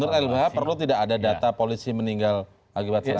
menurut lbh perlu tidak ada data polisi meninggal akibat serangan